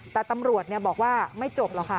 แต่ตำรวจบอกว่าไม่จบหรอกค่ะ